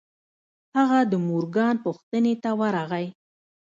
هغه د مورګان پوښتنې ته ورغی.